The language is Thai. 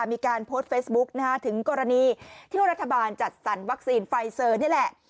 มีการโพสต์เฟซบุ๊กถึงกรณีที่รัฐบาลจัดสรรวัคซีนไฟเซอร์นี่แหละ